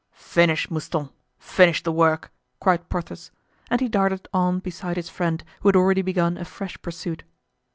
"Finish, Mouston, finish the work!" cried Porthos. And he darted on beside his friend, who had already begun a fresh pursuit.